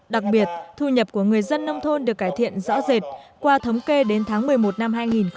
đặc biệt thu nhập của người dân nông thôn được cải thiện rõ rệt qua thống kê đến tháng một mươi một năm hai nghìn một mươi chín